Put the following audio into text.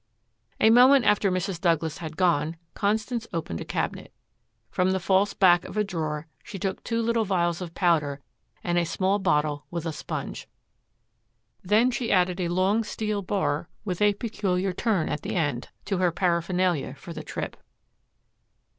A moment after Mrs. Douglas had gone, Constance opened a cabinet. From the false back of a drawer she took two little vials of powder and a small bottle with a sponge. Then she added a long steel bar, with a peculiar turn at the end, to her paraphernalia for the trip.